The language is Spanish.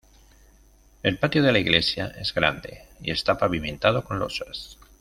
El patio de la iglesia es grande y está pavimentado con losas.